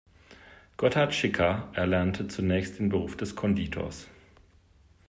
Gotthard Schicker erlernte zunächst den Beruf des Konditors.